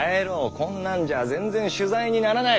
こんなんじゃあ全然取材にならない。